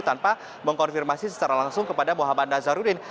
tanpa mengkonfirmasi secara langsung kepada muhammad nazarudin